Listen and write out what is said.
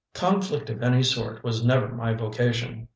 Conflict of any sort was never my vocation.